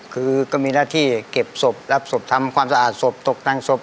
ก็มีหน้าที่เก็บศพรับศพทำความสะอาดศพ